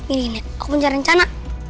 ini aku punya rencana